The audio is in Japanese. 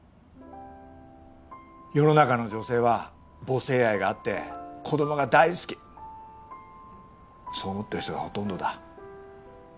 世の中の女性は母性愛があって子供が大好きそう思ってる人がほとんどだ。